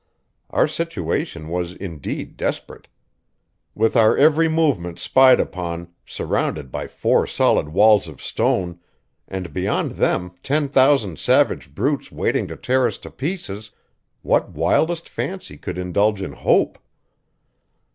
Our situation was indeed desperate. With our every movement spied upon, surrounded by four solid walls of stone, and beyond them ten thousand savage brutes waiting to tear us to pieces what wildest fancy could indulge in hope?